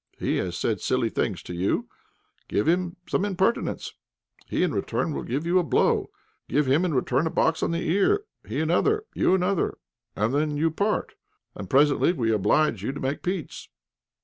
He has said silly things to you, give him some impertinence; he in return will give you a blow, give him in return a box on the ear; he another, you another, and then you part. And presently we oblige you to make peace.